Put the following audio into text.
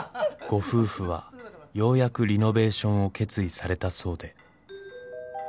ご夫婦はようやくリノベーションを決意されたそうで。